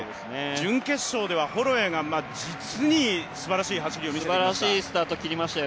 準決勝ではホロウェイが実にすばらしい走りを見せていました。